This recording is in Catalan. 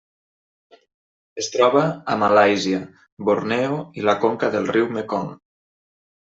Es troba a Malàisia, Borneo i la conca del riu Mekong.